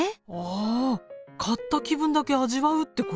あ買った気分だけ味わうってことね。